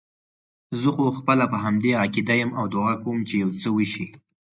زه خو خپله په همدې عقیده یم او دعا کوم چې یو څه وشي.